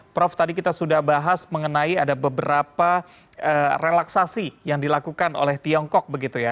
prof tadi kita sudah bahas mengenai ada beberapa relaksasi yang dilakukan oleh tiongkok begitu ya